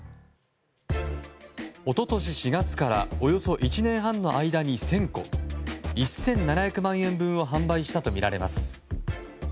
一昨年４月からおよそ１年半の間に１０００個１７００万円分を販売したとみられます。